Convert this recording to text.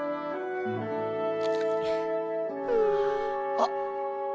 あっ。